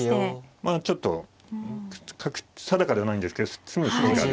まあちょっと定かではないんですけど詰む筋がある。